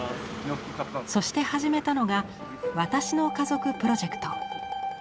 そして始めたのが「私の家族」プロジェクト。